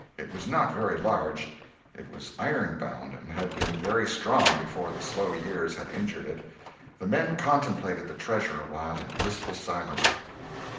It was not very large; it was iron bound and had been very strong before the slow years had injured it. The men contemplated the treasure awhile in blissful silence.